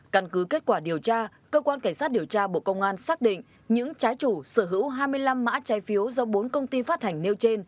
căn cứ kết quả điều tra cơ quan cảnh sát điều tra bộ công an xác định những trái chủ sở hữu hai mươi năm mã trái phiếu do bốn công ty phát hành nêu trên